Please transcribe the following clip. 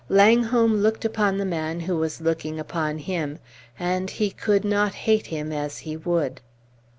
Langholm looked upon the man who was looking upon him, and he could not hate him as he would.